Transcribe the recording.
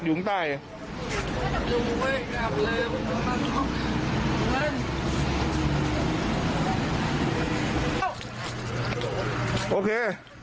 โอเค